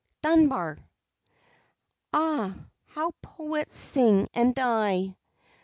DUNBAR Ah, how poets sing and die!